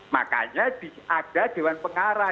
makanya ada dewan pengarah